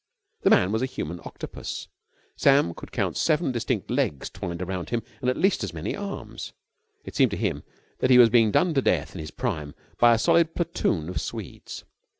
The man was a human octopus. Sam could count seven distinct legs twined round him and at least as many arms. It seemed to him that he was being done to death in his prime by a solid platoon of Swedes.